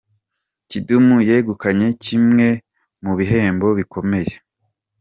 Kidumu yegukanye kimwe mu bihembo bikomeye